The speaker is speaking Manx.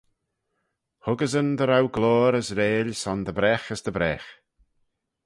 Huggeysyn dy row gloyr as reill son dy bragh as dy bragh.